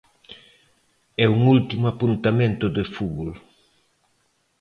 E un último apuntamento de fútbol.